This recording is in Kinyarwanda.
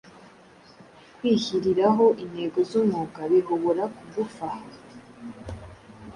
Kwihyiriraho intego zumwuga bihobora kugufaha